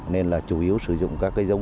nên là chủ yếu sử dụng các cây giống